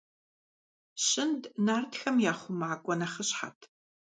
Щынд нартхэм я хъумакӀуэ нэхъыщхьэт.